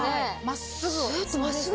真っすぐ。